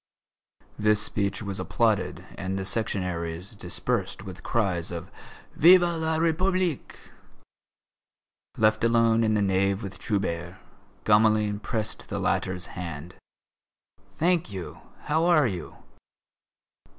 This speech was applauded and the Sectionaries dispersed with cries of "Vive la République!" Left alone in the nave with Trubert, Gamelin pressed the latter's hand. "Thank you. How are you?"